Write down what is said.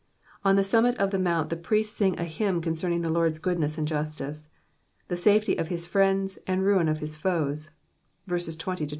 On the summit of the mount the priests siiig a hymn concerning the Lords good.iess and justice; the safely of his friend*}, and ruin of his foes: verses 20— 23.